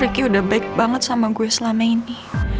ricky udah baik banget sama gue selama ini